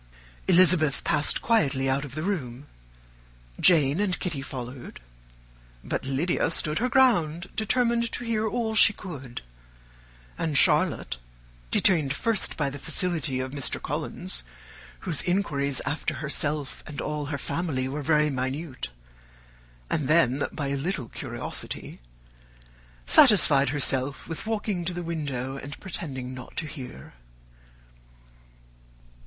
Elizabeth passed quietly out of the room, Jane and Kitty followed, but Lydia stood her ground, determined to hear all she could; and Charlotte, detained first by the civility of Mr. Collins, whose inquiries after herself and all her family were very minute, and then by a little curiosity, satisfied herself with walking to the window and pretending not to hear.